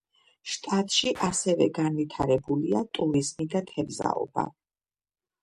შტატში ასევე განვითარებულია ტურიზმი და თევზაობა.